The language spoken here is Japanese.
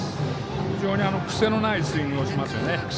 非常に癖のないスイングをしますよね。